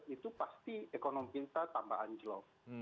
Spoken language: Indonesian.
itu pasti ekonomi kita tambahan jelok